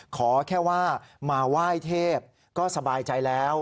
ขอแค่ว่ามาไหว้เทพก็สบายใจแล้ว